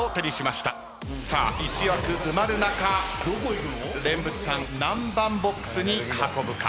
さあ１枠埋まる中蓮佛さん何番ボックスに運ぶか？